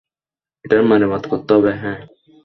এটার মেরামত করতে হবে, - হ্যাঁ।